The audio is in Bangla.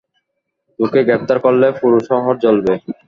তোকে গ্রেফতার করলে পুরো শহর জ্বলবে?